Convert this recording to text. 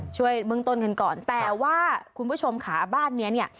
เมืองต้นกันก่อนแต่ว่าคุณผู้ชมขาบ้านเนี้ยเนี่ย